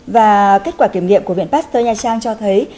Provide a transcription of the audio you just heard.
và kết quả kiểm nghiệm của viện pasteur nha trang cho thấy